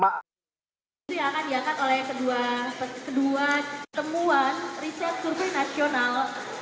yang akan diangkat oleh kedua ketemuan riset survei nasional